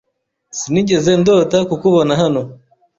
Sinigeze ndota kukubona hano.